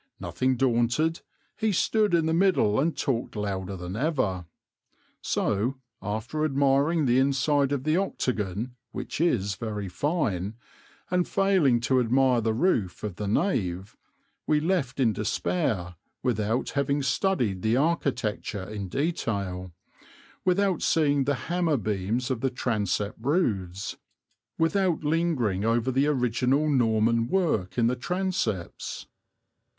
Nothing daunted he stood in the middle and talked louder than ever. So, after admiring the inside of the octagon, which is very fine, and failing to admire the roof of the nave, we left in despair without having studied the architecture in detail, without seeing the hammer beams of the transept roofs, without lingering over the original Norman work in the transepts.